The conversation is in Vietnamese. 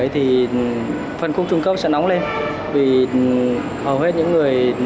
thì phân khúc trung cấp sẽ nóng lên vì hầu hết những người